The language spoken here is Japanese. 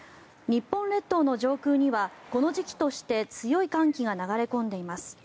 日本列島の上空にはこの時期として強い寒気が流れ込んでいます。